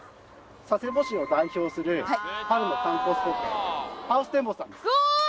佐世保市を代表する春の観光スポットハウステンボスさんですウオーッ！